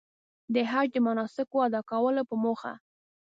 د حج د مناسکو ادا کولو په موخه.